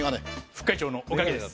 副会長のおかげです。